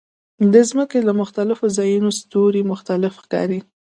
د ځمکې له مختلفو ځایونو ستوري مختلف ښکاري.